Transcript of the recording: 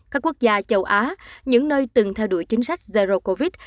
các quốc gia châu á những nơi từng theo đuổi chính sách zero covid